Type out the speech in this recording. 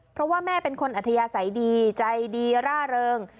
เพราะว่าแม่เป็นคนอัธยาศัยดีใจดีร่าเริง